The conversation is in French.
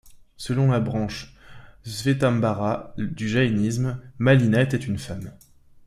Selon la branche shvetambara du jaïnisme, Mallinath était une femme.